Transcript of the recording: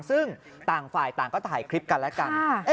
ซึ่งต่างฝ่ายต่างก็ถ่ายคลิปกันและกัน